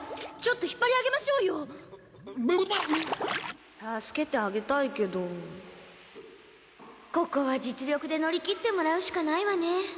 ちょっと引っぱりあげましょうようっうぶぶがっうっ助けてあげたいけどここは実力で乗り切ってもらうしかないわね